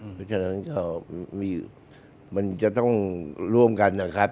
เพราะฉะนั้นก็มันจะต้องร่วมกันนะครับ